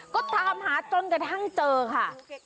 ก็ตามหาจนกระทั่งเจอค่ะ